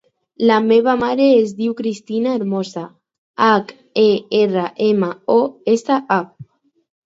La meva mare es diu Cristina Hermosa: hac, e, erra, ema, o, essa, a.